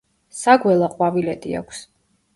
საგველა ყვავილედი აქვს.